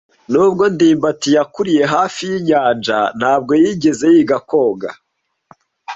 [S] Nubwo ndimbati yakuriye hafi yinyanja, ntabwo yigeze yiga koga.